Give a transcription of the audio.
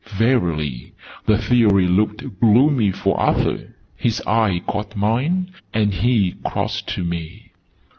Verily, the Theory looked gloomy for Arthur! His eye caught mine, and he crossed to me.